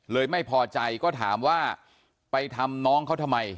ไม่พอใจก็ถามว่าไปทำน้องเขาทำไม